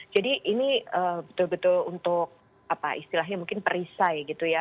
jadi ini betul betul untuk apa istilahnya mungkin perisai gitu ya